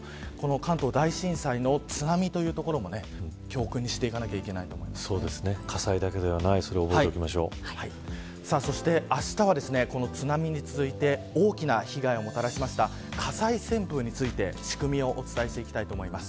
関東大震災の津波というところも教訓にしなければいけないと火災だけではないということをそして、あしたは津波に続いて大きな被害をもたらしました火災旋風について仕組みをお伝えしたいと思います。